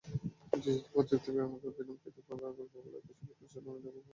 Digital প্রযুক্তি ব্যবহার করে অভিনব কায়দায় গল্প বলার কৌশল খুঁজছে বিশ্বের নামিদামি সংবাদমাধ্যমগুলো।